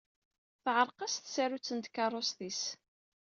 Teɛreq-as tsarut n tkeṛṛust-is.